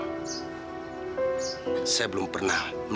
oh satu minggu lagi selama pak